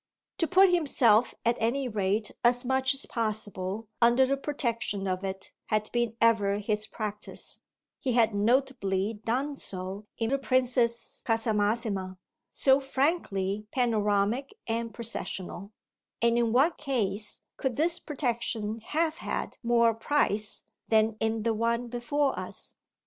To put himself at any rate as much as possible under the protection of it had been ever his practice (he had notably done so in The Princess Casamassima, so frankly panoramic and processional); and in what case could this protection have had more price than in the one before us?